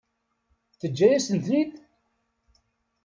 Teǧǧa-yasen-ten-id?